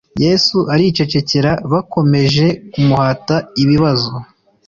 yesu aricecekera bakomeje kumuhata ibibazo